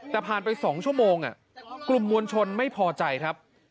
แต่ผ่านไป๒ชั่วโมงกลุ่มมวลชนไม่พอใจครับ